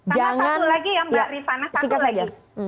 jangan satu lagi ya mbak rifana